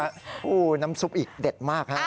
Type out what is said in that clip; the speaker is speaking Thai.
เออน้ำซุปอีกเด็ดมากค่ะ